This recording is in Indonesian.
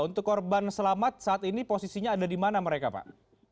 untuk korban selamat saat ini posisinya ada di mana mereka pak